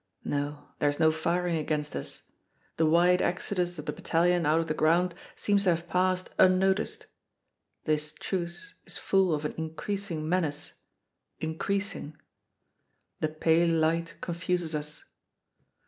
No, there is no firing against us. The wide exodus of the battalion out of the ground seems to have passed unnoticed! This truce is full of an increasing menace, increasing. The pale light confuses us.